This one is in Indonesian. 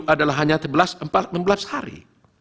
adalah hanya enam belas hari